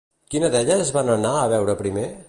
Quina d'elles van anar a veure primer?